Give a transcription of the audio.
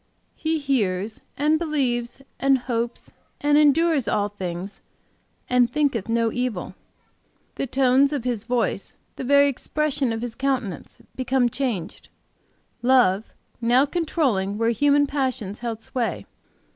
He hears and believes and hopes and endures all things and thinketh no evil. The tones of his voice, the very expression of his countenance, become changed, love now controlling where human passions held sway.